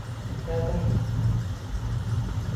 Yetadimi?